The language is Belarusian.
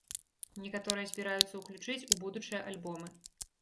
Некаторыя збіраюцца ўключыць у будучыя альбомы.